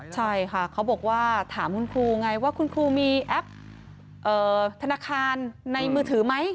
ใช่ค่ะเขาบอกว่าถามคุณครูไงว่าคุณครูมีแอปธนาคารในมือถือไหม